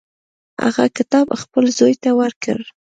هغه کتاب خپل زوی ته ورکړ.